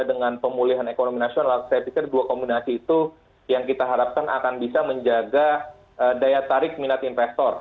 dengan pemulihan ekonomi nasional saya pikir dua kombinasi itu yang kita harapkan akan bisa menjaga daya tarik minat investor